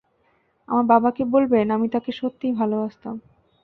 আমার বাবাকে বলবেন আমি তাকে সত্যিই ভালবাসতাম।